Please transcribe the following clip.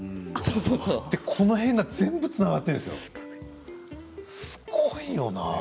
この辺が全部つながっているんですよすごいな。